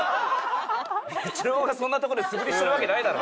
イチローがそんなとこで素振りしてるわけないだろ。